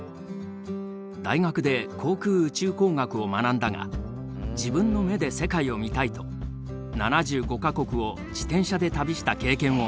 大学で航空宇宙工学を学んだが自分の目で世界を見たいと７５か国を自転車で旅した経験を持つ。